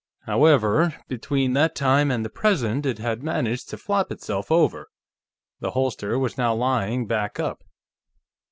However, between that time and the present it had managed to flop itself over; the holster was now lying back up.